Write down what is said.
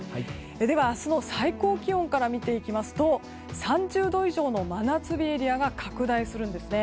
では、明日の最高気温から見ていきますと３０度以上の真夏日エリアが拡大するんですね。